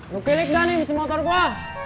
lo gilik dah nih mesin motor gue